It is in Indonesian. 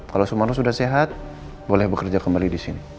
kalau sumarno sudah sehat boleh bekerja kembali di sini